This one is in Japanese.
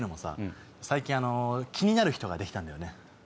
最近気になる人ができたんだよね。